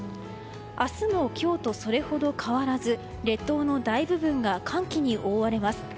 明日も今日とそれほど変わらず列島の大部分が寒気に覆われます。